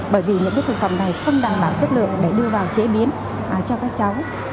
bởi vì những thực phẩm này không đảm bảo chất lượng để đưa vào chế biến cho các cháu